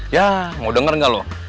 ya mau denger nggak lo